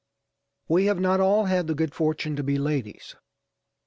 We have not all had the good fortune to be ladies.